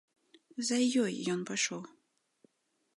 За ёй ён пайшоў.